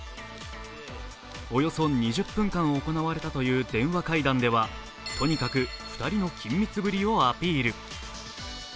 およそ２０分間行われたという電話会談では、とにかく２人の緊密ぶりをアピール。